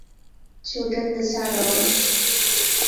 就真的吓到了